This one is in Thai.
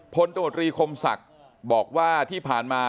ตมตรีคมศักดิ์บอกว่าที่ผ่านมา